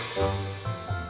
sabar kang murad